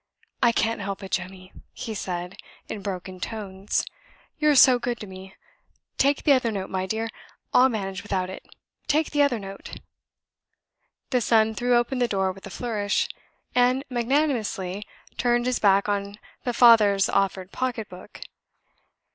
"I can't help it, Jemmy," he said, in broken tones. "You are so good to me. Take the other note, my dear I'll manage without it take the other note." The son threw open the door with a flourish; and magnanimously turned his back on the father's offered pocket book.